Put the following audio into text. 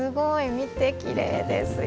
見てきれいですよ。